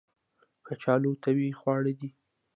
کچالو طبیعي خواړه دي